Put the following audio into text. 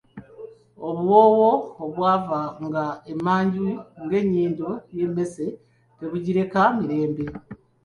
Obuwoowo obw'ava nga emanju ng'ennyindo y'emmese tebugireka mirembe!